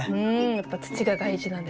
やっぱ土が大事なんですね。